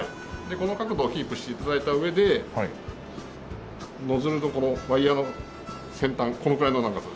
この角度をキープして頂いた上でノズルのこのワイヤの先端このくらいの長さです。